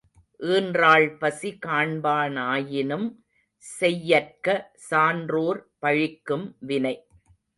ஈன்றாள் பசி காண்பா னாயினும் செய்யற்க சான்றோர் பழிக்கும் வினை.